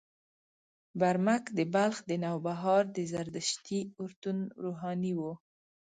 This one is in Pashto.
برمک د بلخ د نوبهار د زردشتي اورتون روحاني و.